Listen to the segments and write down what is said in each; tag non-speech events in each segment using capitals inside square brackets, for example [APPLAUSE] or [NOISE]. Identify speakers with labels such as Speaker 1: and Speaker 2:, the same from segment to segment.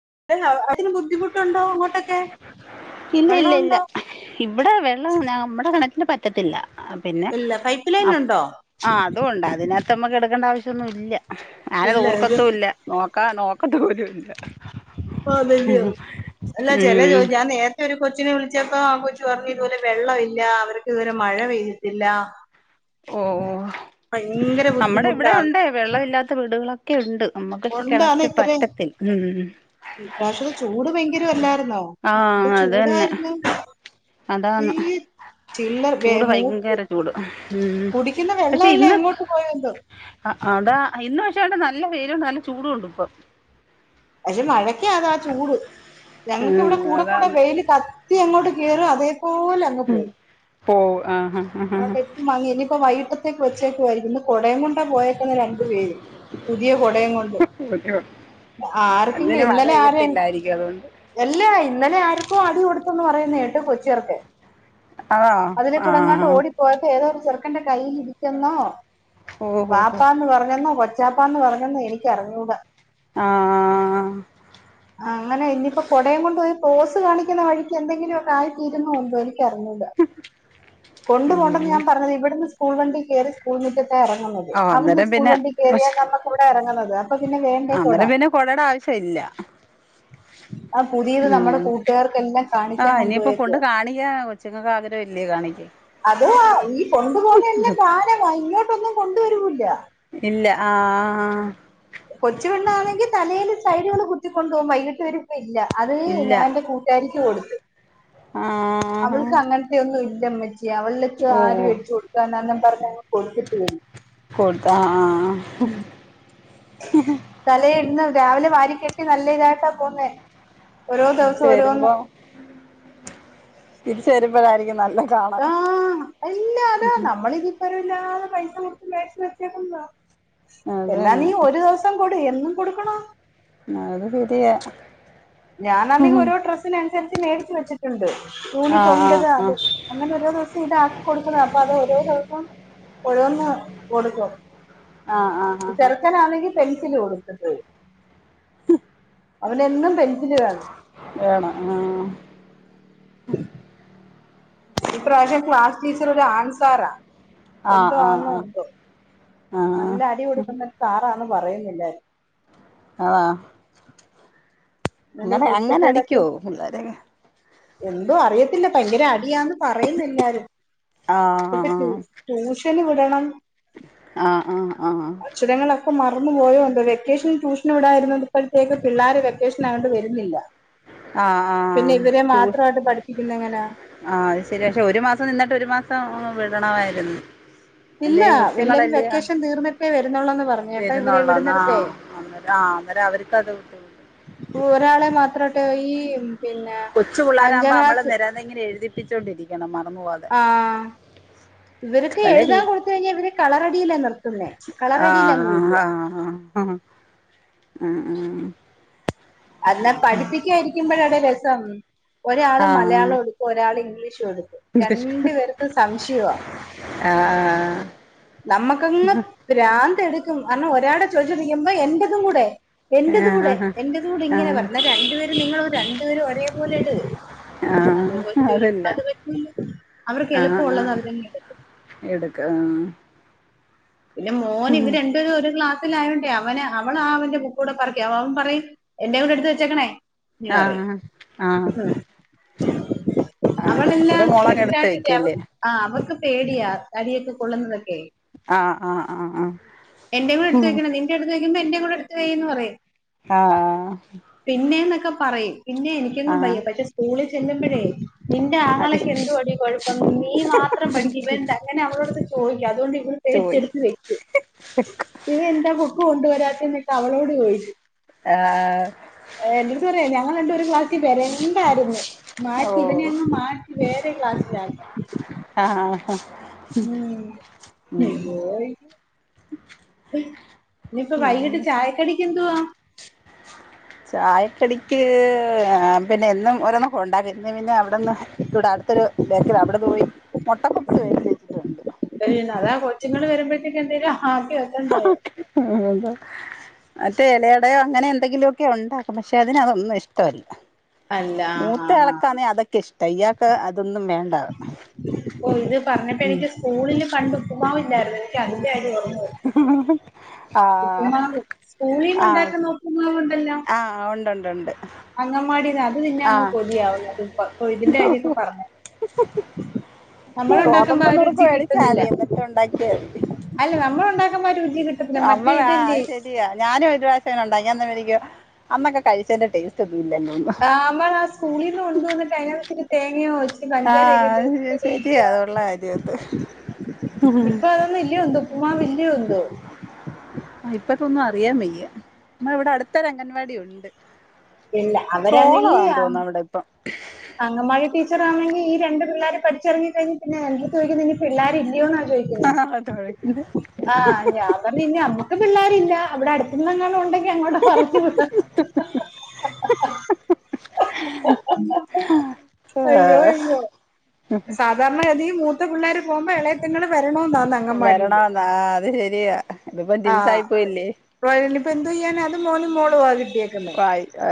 Speaker 1: [UNINTELLIGIBLE] ബുദ്ധിമുട്ടുണ്ടോ അങ്ങോട്ടൊക്കെ
Speaker 2: ഇല്ല ഇല്ല ഇല്ല
Speaker 1: വെള്ളമുണ്ടോ
Speaker 2: ഇവിടെ വെള്ളം നമ്മടെ കിണറ്റി ന് പറ്റത്തില്ല ആ പിന്നെ
Speaker 1: ഇല്ല പൈപ്പ് ലൈൻ ഉണ്ടോ
Speaker 2: ആ അതും ഒണ്ട് അതിനകത്ത് നമ്മക്ക് എടു ക്കേണ്ട ആവശ്യം ഒന്നും ഇല്ല ഞാനത്
Speaker 1: ഇല്ല
Speaker 2: ഓർക്കത്തുയില്ല നോ ക്ക നോക്കത്ത പോലും ഇല്ല
Speaker 1: അ നല്ലയ അല്ല ചെല ചോ
Speaker 2: ഉം
Speaker 1: ഞാൻ നേരത്തെ ഒരു കൊച്ചിനെ വിളിച്ചപ്പം ആ കൊച്ചു പറഞ്ഞു ഇതുപോലെ വെള്ളം ഇല്ല അവർക്ക് ഇതുപോലെ മഴ പെയ്തിട്ടില്ല
Speaker 2: ഓ
Speaker 1: ഭയങ്കര
Speaker 2: നമ്മടെ ഇവിടെ
Speaker 1: ബുദ്ധിമുട്ടാണ്
Speaker 2: ഒണ്ടേ വെള്ളം ഇല്ലാത്ത വീടുകള് ഒക്കെ ഉണ്ട് നമ്മുക്ക് പക്ഷെ
Speaker 1: ഒണ്ട് ആന്ന്
Speaker 2: കിണറ്റില്
Speaker 1: ഇത്രം
Speaker 2: പറ്റത്തില്ല ഉം
Speaker 1: ഇപ്രാവശ്യത്തെ ചൂട് ഭയങ്കര അല്ലായിരുന്നോ
Speaker 2: ആ
Speaker 1: എന്ത്
Speaker 2: അത് തന്നെ
Speaker 1: ചൂടായിരുന്നു
Speaker 2: അതാണ്
Speaker 1: ഈ ചില്ലർ
Speaker 2: ചൂട്
Speaker 1: മൂ
Speaker 2: ഭയങ്കര ചൂട് ഉം
Speaker 1: കുടിക്കുന്ന
Speaker 2: പക്ഷെ
Speaker 1: വെള്ളമല്ലേ
Speaker 2: ഇന്ന്
Speaker 1: എങ്ങോട്ട് പോയെന്തോ
Speaker 2: അതാ ഇന്ന് പക്ഷെ സത്യയായിട്ട് നല്ല വെയിലും നല്ല ചൂടും ഉണ്ട് ഇപ്പം
Speaker 1: പക്ഷെ മഴക്കാത ആ ചൂട് ഞങ്ങക്ക്
Speaker 2: ഉം
Speaker 1: ഇവിടെ കൂടെ കൂടെ
Speaker 2: അതാണ്
Speaker 1: വെയ്ൽ ക- തി എങ്ങോട്ട് കേയറ അതേ പോലങ് പോകും
Speaker 2: പോവും ആഹ് ആഹ്
Speaker 1: ആ
Speaker 2: ആഹ്
Speaker 1: വാങ്ങ ഇനിപ്പോ വൈക്- അത്തേക്ക് വച്ചേക്കുയിരിക്കുന്നു കുടയും കൊണ്ടാ പോയ- പ [UNINTELLIGIBLE] രണ്ടു പേര് പുതിയ കൊടയും കൊണ്ട്
Speaker 2: ആഹ് അയ്യോ അന്നിനി
Speaker 1: ആർക്കെങ്കിലും
Speaker 2: മഴ
Speaker 1: ഇന്നലെ ആര
Speaker 2: പെയ്യത്തില്ലായിരിക്കും അതുകൊണ്ട്
Speaker 1: അല്ല ഇന്നലെ ആർക്കും അടി കൊടു പോയിന്നു പറയുന്ന നേ കേട്ട് കൊച്ചു ചെറുക്കൻ
Speaker 2: ആണോ
Speaker 1: അതിലെ കൂടെങ്ങാണ്ട്
Speaker 2: ആഹ്
Speaker 1: ഓടിപ്പോയപ്പോൾ ഏതോ ഒരു- ചെറുക്കന്റെ കൈയിൽ ഇരിക്കെന്നോ
Speaker 2: ഓഹോ ഹോ
Speaker 1: പാപ്പാന്ന് പറഞ്ഞന്നാ കൊ ജാപ്പാന്ന് പറഞ്ഞന്ന് എനിക്കറിഞ്ഞൂട
Speaker 2: ആഹ
Speaker 1: ആ അങ്ങനെ ഇനിയിപ്പോ കൊടയും കൊണ്ട് പോയി പോസ് കാണിക്കുന്ന വഴിക്ക് എന്തെങ്കിലും ഒയി് തീരുന്നണ്ടോ ഇൻക്ക് അറിഞ്ഞൂട കൊണ്ട് പോ ണ്ടന്ന്
Speaker 2: ഉം
Speaker 1: ഞാൻ പറഞ്ഞത് ഇവിന്ന് സ്കൂൾ വണ്ടി കയറി സ്കൂൾ മുറ്റത്ത് ഇറങ്ങുന്നത്
Speaker 2: ആഹ്
Speaker 1: അവിടുന്ന്
Speaker 2: അന്നേരം
Speaker 1: സ്കൂൾ
Speaker 2: പിന്നെ
Speaker 1: വണ്ടി കയറിയാൻ
Speaker 2: പക്ഷെ
Speaker 1: നമുക്ക് ഇവിടെ ഇറങ്ങുന്നത് അപ്പൊ പിന്നെ വേണ്ടേ കൊടാ
Speaker 2: അന്നേരം പിന്നെ കൊടയുടെ ആവശ്യം ഇല്ല
Speaker 1: ആ പുതിയത്
Speaker 2: ഉം
Speaker 1: നമ്മുടെ കൂട്ടുകാർക്കെല്ലാം കാണിക്കാൻ
Speaker 2: ആഹ് ഇനിയിപ്പോ കൊണ്ട്
Speaker 1: കൊണ്ടുപോയേക്ക
Speaker 2: കാണിക്കാൻ കൊച്ചുങ്ങൾക്ക് ആഗ്രഹം ഇല്ലേ കാണിക്കാൻ
Speaker 1: അത് ആ ഈ കൊണ്ടുപോുന്ന എല്ലാം കാന ഇങ്ങോട്ട് കൊണ്ടുവരുമല്ല
Speaker 2: ഇല്ല ആ
Speaker 1: കൊച്ചു വെണ്ണാണെങ്കി തലയില് സൈഡുകൾ കുത്തിക്കൊണ്ടു പോകും വൈകീട്ട് വരിപ്പ ഇല്ല അത്
Speaker 2: ഇല്ല
Speaker 1: ഞാൻ എൻന്റെ കൂട്ടുകാരിക്ക് കൊടുത്തു
Speaker 2: ആഹ്
Speaker 1: അവൾക്ക് അങ്ങനത്തെ ഒന്നും ഇല്ല എന്റേമ്മച്ചി അവളക്ക് ആര്മേടിച് കൊടുക്കാ പറഞ്ഞ ആ
Speaker 2: ആ ആ
Speaker 1: തലയിടുന്ന രാവിലെ വരിക്കക്കെ നല്ല ഇതായിട്ടാ പോന്നേ
Speaker 2: തിരിച്ച വരുമ്പോ തിരിച്ച് വരുമ്പോ വളായിരിക്കും നല്ല കാണാൻ
Speaker 1: ആഹ അല്ല അതാ നമ്മള ഇനിപ്പരല്ല മൈസത്ത് മ വച്ചേ കൂമാ
Speaker 2: അത്
Speaker 1: എന്നാ നീ
Speaker 2: തന്നെ
Speaker 1: ഒരു ദിവസം കൊട് എന്നും കൊടുക്കണോ
Speaker 2: അത് സരിയാ
Speaker 1: ഞാനാന്നെങ്കിൽ ഒരോ ഡ്രെസിന സരിച്ച് മേടിച്ച് വെച്ചിട്ടുണ്ട്
Speaker 2: ആ ആ
Speaker 1: യൂണിഫോമിൻ്റെത്
Speaker 2: ആ
Speaker 1: അത് അങ്ങനെ ഓരോ ദിവസം ഇതാക്കി കൊടുക്കുന്നത് അപ്പൊ അത് ഓരോ ദിവസം ഒഴുന്ന് കൊടുക്കും
Speaker 2: ആഹ് ആഹ് ആഹ് ആഹഹ
Speaker 1: പെൻസിൽ കൊടുത്തിട്ട് അവനെന്നും പെ
Speaker 2: വേണം ആഹ്
Speaker 1: ഉ ഇപ്രാവശ്യം ക്ലാസ് ടീച്ചർ ഒരു ആൺ സാറാ
Speaker 2: ആ
Speaker 1: എന്തോ
Speaker 2: ആ
Speaker 1: ആന്നോ
Speaker 2: ആ ആ
Speaker 1: എന്തോ
Speaker 2: ആ
Speaker 1: നല്ല അടി കൊടുക്കുന്നൊരു സാറ [UNINTELLIGIBLE] പറയുന്നില്ലായിരുന്നു
Speaker 2: ആന്നോ
Speaker 1: അവന്റെ
Speaker 2: അങ്ങനെ അങ്ങനെ
Speaker 1: കുരുത്തക്കേടൊക്കെ
Speaker 2: അടിക്കുവോ പിള്ളേരെ
Speaker 1: എന്തോ അറിയത്തില്ല ഭയങ്കര അടിയാന്ന് പറയുന്ന്എല്ലാരും
Speaker 2: ആഹ് ഹ ഹാ
Speaker 1: ശന് വിടണം
Speaker 2: ആഹ് ആഹ്
Speaker 1: അക്ഷരങ്ങളൊക്കെ മ റന്ന് പോയോ എന്തോ വെക്കേഷൻ ട്യൂഷൻ വിടായിരുന്നപ്പഴ്ത്തേക്ക് പിള്ളോര് വെക്കേഷൻ ആയോണ്ട് വരുന്നില്ല
Speaker 2: ആഹ് ആഹ്
Speaker 1: പിന്നെ
Speaker 2: ഹാ
Speaker 1: ഇവരെ
Speaker 2: ട്യൂഷ്
Speaker 1: മാത്രമായിട്ട് പഠിപ്പിക്കുന്ന എങ്ങനാ
Speaker 2: അഹ്ശരി പക്ഷെ ഒരു മാസം നിന്നിട്ട് ഒരു മാസം സം വിടണമായിരുന്നു
Speaker 1: ഇല്ല
Speaker 2: അല്ലേ
Speaker 1: എല്ലാവരും
Speaker 2: കൊച്ചുങ്ങളല്ലേ
Speaker 1: വെക്കേഷൻ തീർന്നിട്ടെ വരുന്നുള്ളൊന്ന് പറഞ്ഞു കേട്ടാ ഇവരെ
Speaker 2: വരുന്നുള്ളൂ ആ
Speaker 1: വിടുന്നിടത്തെ
Speaker 2: അന്നേരം ആ അന്നേരം അവർക്കത് ബുദ്ധിമുട്ട്
Speaker 1: ഒരാളെ മാത്രം ട്ട് ഈ പിന്നെ
Speaker 2: കൊച്ചു പിള്ളാരാവുമ്പോ
Speaker 1: അഞ്ചാം
Speaker 2: നമ്മള്
Speaker 1: ക്ലാസ്
Speaker 2: നിരന്തരം ഇങ്ങനെ എഴുതിപ്പിച്ചോണ്ടിരിക്കണം മ
Speaker 1: ആ ഇവർക്ക്
Speaker 2: വല്ല
Speaker 1: എഴുതാൻ
Speaker 2: രീതി
Speaker 1: കൊടുത്ത് കഴിഞ്ഞാ ഇവര് കളറടിയിലാ നിർത്തുന്നേ.
Speaker 2: ആ
Speaker 1: കളറടിയിലന്നും ഇല്ല
Speaker 2: ആ ആ ആ
Speaker 1: അല്ല പഠിപ്പിക്കായിരിക്കുമ്പോഴടെ രസം ഒരാള്
Speaker 2: ആഹ്
Speaker 1: മലയാളം എടുക്കും. ഒരാള് ഇംഗ്ലീഷും രണ്ടു പേർക്കും സംശയവാ നമുക്കങ്ങ് ഭ്രാന്ത എടുത്ത് ഉം അന്ന് ഒരാളെ ചോദിച്ചോദിക്കുമ്പോ എന്റെതും കൂടെ എന്റെതും കൂടെ
Speaker 2: ആഹ്
Speaker 1: എന്റെ അൂ ഇങ്ങനെ
Speaker 2: ആഹ്
Speaker 1: പറഞ്ഞ രണ്ടുപേര തും കൂടി ഇങ്ങനെ പറി എന്ന രണ്ടു പേരും നിങ്ങള് രണ്ടുപേരും ഒരേപോലെ ഇട്.
Speaker 2: ആഹ് അതില്ല
Speaker 1: അത് പറ്റൂല അവർക്ക്
Speaker 2: ആഹ്
Speaker 1: എളുപ്പമുള്ളത് അവരങ്ങിടും.
Speaker 2: ആഹ
Speaker 1: പിന്നെ മോന് ഇവര് രണ്ടുപേര് ഒരു ക്ലാസ്സ്‌ ത്തിലായണ്ടേ അവന അവള ലായൊണ്ടേ അവന് അവള് അവന്റെ ബുക്ക് കൂടെ പറക്കി അവൻ പറയും എന്റെ കൂടെ എടുത്തു വെച്ചേക്കണേ എടുത്ത വെച്ചേക്കണേ ഇങ്ങനെ
Speaker 2: ആഹ്
Speaker 1: പറയും
Speaker 2: ആഹ് ആഹ് ആഹ്
Speaker 1: [UNINTELLIGIBLE] അവളെല്ലാം
Speaker 2: അന്നേരം മോളങ്ങ് എടുത്ത്
Speaker 1: കറക്റ്റായിട്ട് ചെയ്യും
Speaker 2: വെക്കുല്ലേ
Speaker 1: അവക്ക് ആ അവക്ക് പേടിയാ തടിയൊക്കെ കൊള്ളുന്നത
Speaker 2: ആഹ് ആഹ് ആ ആ
Speaker 1: എന്റെ കൂടെടുത്ത് വെക്കണോ നിന്റെ എടു വയ്ക്കുമ്പ എന്റെ കൂടെടുത്ത് വെയ്യീന്ന് പറയരുത്
Speaker 2: ആഹ് ആഹ്
Speaker 1: ഒക്കെ പറയും പിന്നെ എനിക്കൊന്നും
Speaker 2: ആഹ്
Speaker 1: വയ്യ പക്ഷേ സ്കൂളിൽ ചെല്ലുമ്പഴേ നിന്റെ
Speaker 2: അടി
Speaker 1: ആങ്ങളക്ക് എന്തുവാടി കൊഴപ്പം നീ മാത്രം പഠി [UNINTELLIGIBLE] അങ്ങനെ അവളോടുത്ത് ചോദിക്കും അതുകൊണ്ട് ഇവൾ
Speaker 2: ചോയി
Speaker 1: പേടിച്ചെടുത്ത് വെക്കും ഇവൻ എന്താ ബുക്ക്‌ കൊണ്ടുവരാത്തെ എന്നക്കെ അവളോട് [UNINTELLIGIBLE]
Speaker 2: ആഹ്
Speaker 1: എന്റട്ത് പറയുകയാ ഞങ്ങൾ രണ്ടും ഒരു ക്ലാസ്സിൽ വരണ്ടായിരുന്നു. മാറ്റി ഇതിനെ
Speaker 2: ഓഹ്
Speaker 1: അങ്ങ് മാറ്റി വേറെ ക്ലാസ്സിലാക്കാൻ
Speaker 2: ആഹ് ഉം
Speaker 1: ഇനിയിപ്പ വൈകിട്ട്
Speaker 2: പിന്നെ
Speaker 1: ചായക്കടിക്കെന്തുവാ
Speaker 2: ചായക്കടിക്ക് പിന്നെ എന്നും ഓരോന്നക്ക ഉണ്ടാക്കി പിന്നെ പിന്നെ അവിടെന്ന് ഇവിട അടുത്തൊരു ബേക്കറിയ്യാണ്. അവിടെ പോയി മൊട്ടപപ്പ്സ് വേടിച്ച് വെച്ചിട്ടുണ്ട്
Speaker 1: അതാ കൊച്ചുങ്ങള് [UNINTELLIGIBLE] വെക്കണ്ടായോ
Speaker 2: അതെ മറ്റേ ഇലടയോ അങ്ങനെ എന്തെങ്കിലു മൊക്കെ ഉണ്ടാക്കും പക്ഷെ അതിനതൊന്നും ഇഷ്ടമല്ല
Speaker 1: അല്ല
Speaker 2: മൂത്ത
Speaker 1: ആഹാഹ
Speaker 2: ആൾക്കാന്നെ അതൊക്കെ ഇഷ്ടം ഇയാൾക്ക് അതൊന്നും വേണ്ട
Speaker 1: ഓ ഇത് പറഞ്ഞപ്പ
Speaker 2: ഉം
Speaker 1: എനിക്ക് സ്കൂളില് പണ്ട് ഉപ്പുമാവ് [UNINTELLIGIBLE]
Speaker 2: ആഹ്
Speaker 1: ഉപ്പ്മാവ് സ്കൂളീന്ന്
Speaker 2: ആഹ്
Speaker 1: ഉണ്ടാക്കുന്ന ഉപ്പുമാവ് ഉണ്ടല്ലോ
Speaker 2: ആഹ് ഉണ്ട് ഉണ്ട് ഉണ്ട്
Speaker 1: അംഗൻവാടി അത് തിന്നാനങ്ങ്
Speaker 2: ആഹ്
Speaker 1: കൊതിയാവുന്നുണ്ട് ഇപ്പം ഇതിന്റെ കാര്യൊക്കെ പറഞ്ഞപ്പോ നമ്മള് ഉണ്ടാക്കുമ്പോ
Speaker 2: ഗോതമ്പ്
Speaker 1: ആ
Speaker 2: നുറുക്ക്
Speaker 1: രുചി
Speaker 2: മേടിച്ചാൽ
Speaker 1: കിട്ടുന്നില്ല
Speaker 2: മതി എന്നിട്ട് ഉണ്ടാക്കിയാൽ
Speaker 1: അല്ല നമ്മൾ ഉണ്ടാക്കുമ്പോ ഒരു രുചി കിട്
Speaker 2: നമ്മളാ അത് ശരിയാ ഞാനും ഒരു പ്രാശ്യം അങ്ങ [UNINTELLIGIBLE] അന്നൊക്കെ കഴിച്ചേന്റെ ടേസ്റ്റ് ഒന്നും ഇല്ലല്ലോന്ന്
Speaker 1: ആ മ്മൾ ആ സ്കൂളീന്ന് കൊണ്ട് വന്നു [UNINTELLIGIBLE] തേങ്ങയോ ച് ഇച്ചിരി പഞ്ചാരയൊക്കെ ഇട്ട് എന്ത്
Speaker 2: ആ ശരിയാ
Speaker 1: രുചിയാ
Speaker 2: അതുള്ള കാര്യം അത്
Speaker 1: ഇപ്പൊ അതൊന്നും ഇല്യോന്തോ ഉപ്പുമാവ് ഇല്ല്യോന്തോ
Speaker 2: ആ.. ഇപ്പളത്തെയൊന്നും അറിയാൻവയ്യ. ഇപ്പ മിവിടെ അടുത്തൊരു അംഗൻവാടി ഉണ്ട്.
Speaker 1: ഇല്ല. അവരാണെങ്കിൽ
Speaker 2: ചോളമാന്ന് തോന്നുന്നു അവിടെ ഇപ്പം
Speaker 1: അംഗൻവാടി ടീച്ചറാണെങ്കിൽ ഈ രണ്ടു പിള്ളേരെ.. പഠിച്ചിറങ്ങി കഴിഞ്ഞാപ്പി എന്താ ചോദിക്കുന്നേ, ഇനിപിള്ളാരില്ലയോ യെന്നാണ്. ആ.. ഞാൻപറഞ്ഞു ഇനി അമ്മ ഇന്ന് പിള്ളേരില്ല. ഇവിടെ അടുത്തെന്നെങ്ങാനും ഉണ്ടെങ്കി അങ്ങോട്ട് പറഞ്ഞുവിടാം. അയ്യോ, അയ്യോ സാധാരണ ഗതിമൂത്ത- മൂത്തപിള്ളേര് പോകുമ്പോ ഇളയത്തിങ്ങള് വ.. ഇളയ മോള് അംഗൻവാടിയില്.
Speaker 2: വരണമെന്നാ ആ അത് ശരിയാ ഇതിപ്പം
Speaker 1: ആ..
Speaker 2: ടിൻസായി പോയില്ലേ
Speaker 1: ഇപ്പ എന്ത്ചെയ്യാന അത് മോനുംമോളുവാകിട്ടിയേക്കുന്നേ.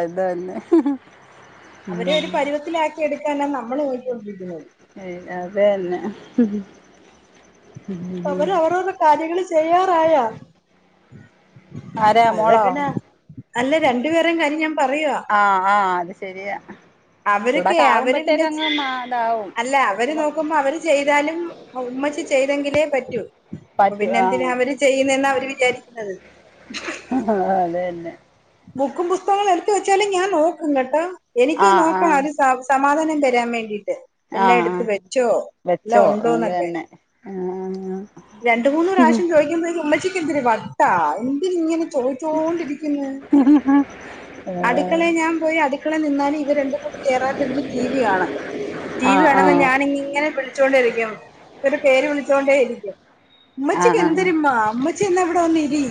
Speaker 2: അതന്നെ ഉം..
Speaker 1: അവരെ ഒരു പരുവത്തിലാക്കി എടുക്കാനാ നമ്മള് പോയിക്കൊണ്ടിരിക്കുന്നത്.
Speaker 2: അത് തന്നെ.
Speaker 1: അവര് അവരവരുടെ കാര്യങ്ങള്. തയ്യാറായോ?
Speaker 2: ആരാ മോളോ?
Speaker 1: അല്ല രണ്ടുപേരുടെയും കാര്യം ഞാൻ - പറയുവ
Speaker 2: ആ ആ അത് ശരിയാ
Speaker 1: അവർക്ക്
Speaker 2: ചൂടൊക്കെ
Speaker 1: അവര്
Speaker 2: ആകുമ്പോത്തേക്ക് അങ്ങ് മാ ഇതാവും
Speaker 1: പിന്നെഅല്ല, അവ നോക്കുമ്പം അവര് ചെയ്താലും ഉമ്മക്ക്.. ചെയ്തെങ്കിലേ പറ്റൂ. അപ്പൊ
Speaker 2: പറ്റും
Speaker 1: പിന്നെന്തിനാ
Speaker 2: ആഹ്
Speaker 1: അവര് ചെയ്യുന്നേന്നാ അവര് വിചാരിക്കുന്നത്.
Speaker 2: അത് തന്നെ
Speaker 1: ബുക്കും, പുസ്തകങ്ങളും എടുത്ത വെച്ചാലും ഞാൻനോക്കും കേട്ടോ. എനിക്കതു
Speaker 2: ആഹ്
Speaker 1: നോക്കണം
Speaker 2: ആഹ്
Speaker 1: അത് സം.. സം.. സമാധാനം തരാൻ വേണ്ടിയിട്ട്. എല്ലാം
Speaker 2: ആഹ്
Speaker 1: എടുത്ത്
Speaker 2: ആഹ്
Speaker 1: വെച്ചോ, എല്ലാം ഉണ്ടോന്നൊക്കെ.
Speaker 2: ആ
Speaker 1: രണ്ടുമൂന്ന് പ്രാവശ്യം ചോദിക്കുമ്പോത്തേക്കും ഉമ്മച്ചി. എന്തിത്‌ വട്ടാ എന്തിനിങ്ങനെ. ചോദിച്ചോണ്ടിരിക്കുന്നു അടുക്കളെ
Speaker 2: ആഹ്
Speaker 1: ഞാൻ പോയി അടുക്കളയിൽ നിന്നാലും ഇവ രണ്ടുംകൂടിഇറയത്തിരുന്ന് ടി വി കാണും. ടി വി
Speaker 2: ആഹ്
Speaker 1: കാണുമ്പോൾ
Speaker 2: ആഹ്
Speaker 1: ഞാനിങ്ങനെ വിളിച്ചോണ്ടിരിക്കും ഇവര് പേര് വിളിച്ചുകോണ്ടേയിരിക്കും.
Speaker 2: ആഹ്
Speaker 1: ഉമ്മച്ചിക്ക്
Speaker 2: ആഹ്
Speaker 1: എന്തതിരുമ്മ. ഉമ്മച്ചിവിടെ വന്നിരി,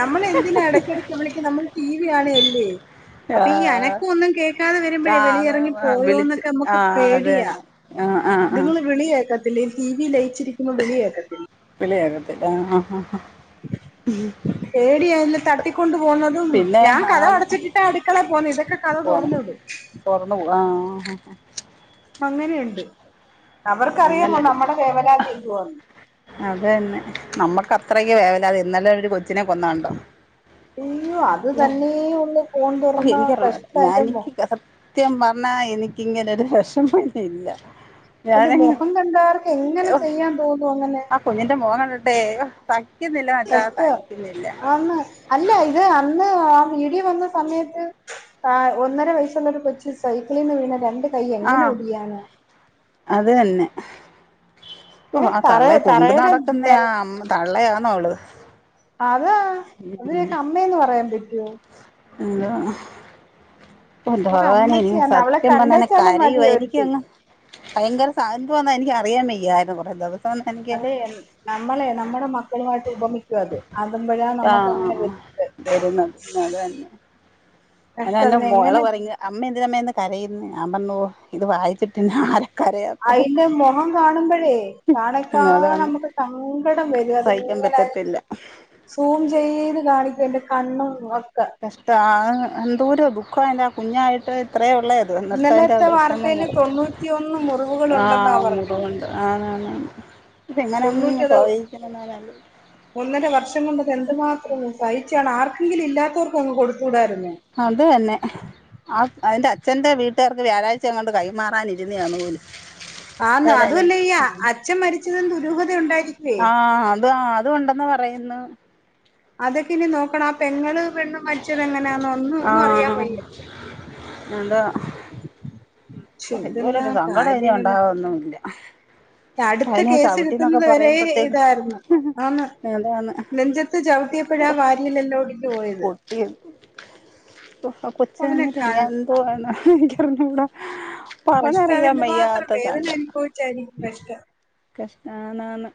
Speaker 1: നമ്മളേഎന്തിനാ ഇടയ്ക്കിടക്ക് വിളിക്കണെ നമ്മൾ ടി വി കാണവല്ലേ ഉം അപ്പൊ ഈ അനക്കമൊന്നും കേൾക്കാതെ വരുമ്പോഴേ
Speaker 2: ആഹ്
Speaker 1: വെളിയിലിറങ്ങി
Speaker 2: അത്
Speaker 1: പോയോ
Speaker 2: വിളിച്ച്
Speaker 1: എന്നൊക്കെ നമ്മുക്ക്
Speaker 2: ആഹ് അത്
Speaker 1: പേടിയാ,
Speaker 2: തന്നെ ആഹ് ആഹ് ആഹ്
Speaker 1: ഇതുങ്ങള് വിളി കേക്കത്തില്ല ടി. വി യിൽ ലയിച്ചിരിക്കുമ്പോൾ വിളി കേൾക്കത്തില്ല.
Speaker 2: വിളികേക്കത്തില്ല ആ ആ ഹ
Speaker 1: [UNINTELLIGIBLE] തട്ടിക്കൊണ്ട് പോവുന്നതും ഞാൻ കതക്
Speaker 2: ആന്ന്
Speaker 1: അടച്ചിട്ടിട്ടാ അടുക്കളെ പോവുന്നെ ഇതൊക്കെ കതക്
Speaker 2: പോന്ന്
Speaker 1: തൊറന്ന് ഇടും
Speaker 2: തുറന്നു പോ ആഹ്
Speaker 1: അങ്ങനെയുണ്ട് അവർക്കറിയാമോ
Speaker 2: അങ്ങനൊരു
Speaker 1: നമ്മടെ വേവലാതി എന്തുവാന്ന്
Speaker 2: അത് തന്നെ നമ്മുക്ക് അത്രക്ക വേവലാതി അത് ഇന്നലെ ഒരു കൊ അച്ഛനെ കൊന്നയ് കണ്ടോ
Speaker 1: അയ്യോ അത്
Speaker 2: ഇല്ല
Speaker 1: തന്നേ ഉള്ളു ഫോൺ തുറന്ന
Speaker 2: [UNINTELLIGIBLE]
Speaker 1: കഷ്ടം
Speaker 2: ഞാ
Speaker 1: എന്റെ മൊ
Speaker 2: എനിക്ക് സത്യം പറഞ്ഞാ എനി ഇങ്ങനെ ഒരു വെഷമം ഇനി ഇല്ല
Speaker 1: അന്റെ
Speaker 2: ഞാനങ്ങ്
Speaker 1: മുഖം കണ്ടാല് എങ്ങനെ
Speaker 2: ഓ
Speaker 1: ചെയ്യാൻ തോന്നുന്നു
Speaker 2: ആ കുഞ്ഞിന്റെ മൊഖം കണ്ടിട്ടെ [UNINTELLIGIBLE] മച്ചാ സഹിക്കുന്നില്ല
Speaker 1: [UNINTELLIGIBLE] ആന്ന് അല്ല ഇത് അന്ന് ആ വീ വന്ന സമയത്ത് ഒന്നര വയസുള്ള കൊച്ച് സൈക്കിളിൽ നിന്ന് വീണ് രണ്ട് കൈ എങ്ങനെ ഒടിയാന
Speaker 2: ആഹഅത് തന്നെ ഓ
Speaker 1: ഏ
Speaker 2: ആ
Speaker 1: തറ
Speaker 2: തള്ളയ കൊണ്ട്
Speaker 1: തറയുടെ
Speaker 2: നടക്കുന്നേ ആ അമ്മ ത- ഉള്ളയാന്നോ അവള്
Speaker 1: അതാ അതിനെക്കെ അമ്മേന്ന് പറയാൻ പറ്റുവോ
Speaker 2: [UNINTELLIGIBLE] [INAUDIBLE] ഉ
Speaker 1: ഇതൊക്കെ
Speaker 2: ഭഗവാന ഇനി
Speaker 1: അമ്മച്ചിയാണ് അവളെ
Speaker 2: സത്യം പറഞാ
Speaker 1: കണ്ടേച്ചാലും മതി
Speaker 2: കരയുവ
Speaker 1: ഒരുത്തി
Speaker 2: എനിക്കങ്- ഭയങ്കര സവാധുന്നാ എനിക്ക് അറിയാമയ്യരു കുറെേ ദിവസം എനിക്ക്
Speaker 1: അതെ നമ്മളെ നമ്മുടെ മക്കളുമായിട്ട് ഉപമിക്കും അത് അതുമ്പോഴാ
Speaker 2: ആ അ
Speaker 1: നമുക്ക് അങ്ങനെ
Speaker 2: അ
Speaker 1: വരും
Speaker 2: വെര്ന്നത് പിന്നെ അതന്നെ അയിന്
Speaker 1: കഷ്ടം
Speaker 2: അന്റെ
Speaker 1: അതിനെ
Speaker 2: മോള്
Speaker 1: എങ്ങനെ
Speaker 2: പറങ്ങ് അമ്മ എന്തിനമ്മേ ഇന്ന് കരയിന്നെ ഞാൻ പറഞ്ഞു ഇത് വായിച്ചിട്ടിന്ന ആരെ
Speaker 1: അതിന്റെ മുഖം കാണുമ്പോഴേ
Speaker 2: അതാണ്
Speaker 1: നമുക്ക് സങ്കടം വരും
Speaker 2: സഹിക്കാൻ
Speaker 1: അതിങ്ങനെ
Speaker 2: പറ്റത്തില്ല
Speaker 1: സൂം ചെയ്ത് കാണി എന്റെ കണ്ണോ [UNINTELLIGIBLE]
Speaker 2: കഷ്ട ആ ങ് എന്തോര ദുഃഖയിന്റെ ആ കുഞ്ഞായിട്ട് ഇ- അത്രേ ഉള്ളത് എന്നത്ത അതിൻ്
Speaker 1: ഇന്നലത്തെ
Speaker 2: വെഷമം
Speaker 1: വാർത്തയിൽ
Speaker 2: മുഖത്ത്
Speaker 1: തൊണ്ണൂറ്റിയൊന്ന് മുറിവുകൾ
Speaker 2: ആ
Speaker 1: ഉണ്ടെന്നാ
Speaker 2: മുറിവുണ്ട് ആണ് ആണ്
Speaker 1: തൊണ്ണൂറ്റത് [UNINTELLIGIBLE]
Speaker 2: ആലോചി
Speaker 1: ഒന്നര വർഷം കൊണ്ടത് എന്തുമാത്ര അതും സഹിച്ചാണ് ആർക്കെങ്കിലു ഇല്ലാത്തോർക്ക് ങ്ങ് കൊടുത്തുടായിരു
Speaker 2: അതന്നെ ആ അന്റെ അ അച്ഛൻ്റെ വീട്ട്കാർക്ക് വ്യാഴാഴ്ച എങ്ങാ ണ്ട് കൈമാറാനിര്ന്നതാണ് പോലും
Speaker 1: ആന്ന്
Speaker 2: ഏതായാലും
Speaker 1: അതുമല്ല ഈ
Speaker 2: ഉം
Speaker 1: അച്ഛൻ മരിച്ചത് ഉ [UNINTELLIGIBLE]
Speaker 2: ആ അത് ആ അതുണ്ടെന്ന് പറയുന്നു
Speaker 1: അതൊക്കെ ഇനി പ്പൾ ആ പെങ്ങൾ പെണ്ണ് മരിച്ച എങ്ങനെയാന്ന ഒന്ന്
Speaker 2: ആ
Speaker 1: ഒന്നും അറിയാൻ വയ്യ
Speaker 2: അതാ
Speaker 1: പക്ഷെ
Speaker 2: ഓ ഇതുപോലൊരു
Speaker 1: എന്തെല്ലാം
Speaker 2: സങ്കടം ഇനി ഉണ്ടാവുന്നി
Speaker 1: അടുത്ത്
Speaker 2: ചവിട്ടിന്നൊക്കെ
Speaker 1: കേസെടുക്കുന്നത് വരെ
Speaker 2: പറയുമ്പത്തേക്ക്
Speaker 1: ഇതായിരുന്നു ആന്
Speaker 2: അതാണ്
Speaker 1: നെഞ്ചത്ത് ചവിട്ടിയപ്പോഴാ വാരിയെല്ലല്ലാം ഒടി
Speaker 2: പൊട്ടി ആ
Speaker 1: അവനെ
Speaker 2: കൊച്ചന്നട്ട് ഞാൻ എന്തോണ് പറഞ്ഞൂ
Speaker 1: ഫസ്റ്റ് എന്ത് മാത്രം വേദന അനുഭവിച്ചായിരിക്കും വെസ്റ്റ്
Speaker 2: കഷ്ടാനാ ന്ന്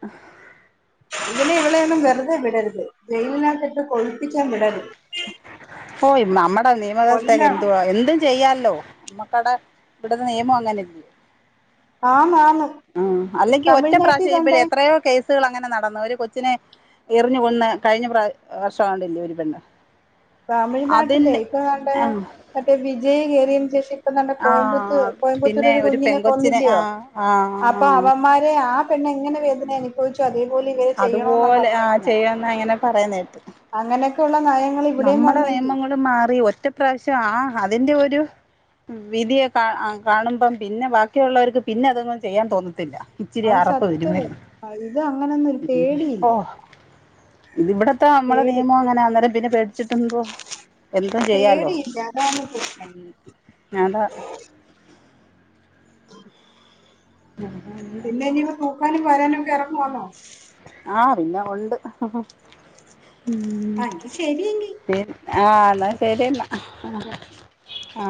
Speaker 1: ഇവനെ ഇവളെയും ഒന്നും വെറുതെ വെറുതെ വിടരുത് ജയിലിനകത്ത് ഇട്ട് കൊഴിപ്പിക്കാൻ വിടരുത്
Speaker 2: ഓ നമ്മടെ നിയമ വ്യവസ്ഥക്കെ
Speaker 1: കൊല്ലണം
Speaker 2: എന്തുവാ എന്തും ചെയ്യല്ലോ നമ്മക്കടെ ഇവിടത്തെ നിയമം അങ്ങനെയല്ലോ
Speaker 1: ആന്ന് ആന്ന്
Speaker 2: ഉം അല്ലെങ്കിൽ ഒറ്റ
Speaker 1: തമിഴ്നാട്ടിൽ
Speaker 2: പ്രാവശ്യം കഴിയുമ്പോ
Speaker 1: കണ്ടേ
Speaker 2: എത്രയോ കേസുകൾ അങ്ങനെ ന ന്ന് ഒരു കൊച്ചിനെ എറിഞ്ഞ് കൊന്ന് കഴിഞ്ഞ പ്രാ വർഷം ആണ്ടില്ലേ ഒരു പെണ്ണ്
Speaker 1: തമിഴ്നാട്ടിലേ
Speaker 2: അതിന്റെ
Speaker 1: ഇപ്പൊ ആണ്ടേ
Speaker 2: ആ
Speaker 1: മറ്റേ വിജയ് കേറിയ ഇപ്പതാണ്ട്
Speaker 2: ആ
Speaker 1: കോയമ്പത്തൂ കോയമ്പ ത്തൂർ
Speaker 2: പിന്നെ
Speaker 1: ഒരു കുഞ്ഞിനെ
Speaker 2: പെങ്കൊച്ചിനെ ആ
Speaker 1: കൊന്നില്ലയോ
Speaker 2: ആ ആ
Speaker 1: അപ്പൊ അവന്മാരെ ആ പെണ്ണെങ്ങനെ വേദന അനുഭവിച്ച് അതേ കൂലി [UNINTELLIGIBLE] ചെയ്യണം എന്നാ
Speaker 2: അതുപോലെ ആ
Speaker 1: പറഞ്ഞേക്കുന്നെ
Speaker 2: ചെയ്യാന്ന് അങ്ങനെ പറയുന്ന കേട്ട്
Speaker 1: അങ്ങനെയൊക്കെള്ള നയങ്ങ
Speaker 2: നമ്മുടെ നിയമങ്ങളും മാറി ഒറ്റ പ്രാവശ്യ ആഹ് ഹാ അതിന്റെ ഒരു വിധിയെ കാ കാണുമ്പം പിന്നെ ബാക്കിയുള്ളവർക്ക് പിന്നെ അതൊന്നും ചെയ്യാൻ തോന്നത്തില്ല
Speaker 1: അത് സത്യണ് ഇത് അങ്ങനെ
Speaker 2: ഉപ്പോ ഇ ഇവിടത്തെ നമ്മള
Speaker 1: പേടി
Speaker 2: നിയമം ഇതിനു ഓ ഇവിടുത്തെ മ്മളെ നിയമം അങ്ങനെ യാ അന്നേരം ഇതിനെ പേടിച്ചിട്ടുന്തോ എന്തും ചെയ്യാലോ
Speaker 1: പേടിയില്ല അതാണ് പ്രശ്നം
Speaker 2: ഉം [UNINTELLIGIBLE]
Speaker 1: പോവാനും വരാനൊക്കെഎറങ്ങുവാന്നോ
Speaker 2: ആഹ് പിന്നെ ഒണ്ട് ഉം
Speaker 1: ആ എങ്കിൽ ശരി
Speaker 2: പിൻ ആ എന്ന പെരെന്ന അ ഹ അ